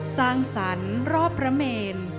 สร้างสรรค์รอบพระเมน